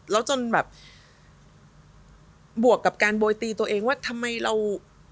แล้วจนแบบบวกกับการโบยตีตัวเองว่าทำไมเรา